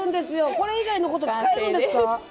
これ以外のこと使えるんですか。